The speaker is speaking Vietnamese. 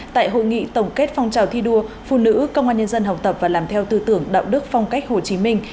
tại hội nghị tổng kết phong trào thi đua phụ nữ công an nhân dân học tập và làm theo tư tưởng đạo đức phong cách hồ chí minh